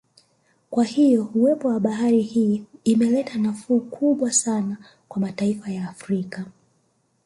Kwa hiyo uwepo wa bahari hii imeleta nafuu kubwa sana kwa mataifa ya Afrika